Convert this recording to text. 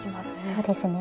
そうですね。